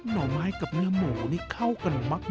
ห่อไม้กับเนื้อหมูนี่เข้ากันมาก